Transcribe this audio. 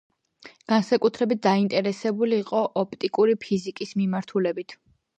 განსაკუთრებით დაინტერესებული იყო ოპტიკური ფიზიკის მიმართულებით.